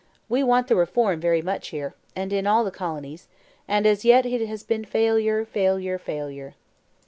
We want the reform very much here, and in all the colonies; and as yet, it has been failure, failure, failure."